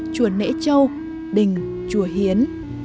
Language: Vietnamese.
chùa nễ châu đình chùa hiến